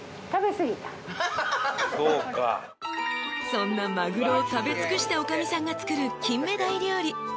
［そんなマグロを食べ尽くした女将さんが作る金目鯛料理］